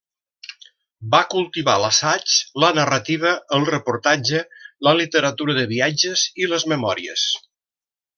Va cultivar l'assaig, la narrativa, el reportatge, la literatura de viatges i les memòries.